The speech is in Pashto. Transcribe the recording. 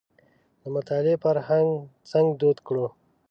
د مطالعې فرهنګ څنګه دود کړو.